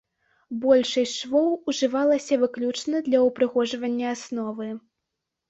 Большасць швоў ужывалася выключна для ўпрыгожвання асновы.